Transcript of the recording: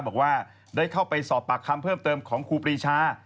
บอกว่าได้เข้าไปสอบปากคำเพิ่มเติมของครูปรีชา